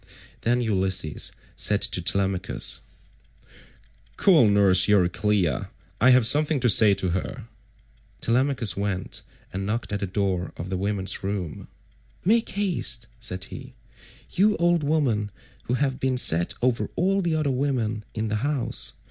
Then Ulysses said to Telemachus, "Call nurse Euryclea; I have something to say to her." Telemachus went and knocked at the door of the women's room. "Make haste," said he, "you old woman who have been set over all the other women in the house.